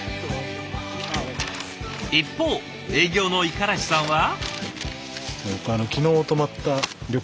一方営業の五十嵐さんは。